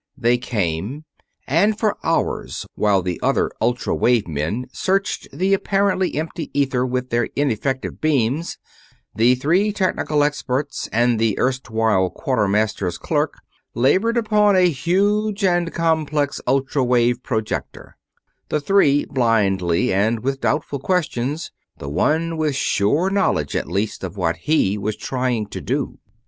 They came, and for hours, while the other ultra wave men searched the apparently empty ether with their ineffective beams, the three technical experts and the erstwhile Quartermaster's clerk labored upon a huge and complex ultra wave projector the three blindly and with doubtful questions; the one with sure knowledge at least of what he was trying to do.